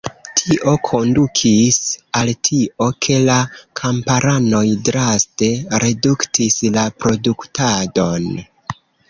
Tio kondukis al tio, ke la kamparanoj draste reduktis la produktadon.